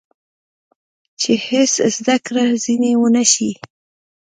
چې هېڅ زده کړه ځینې ونه شي.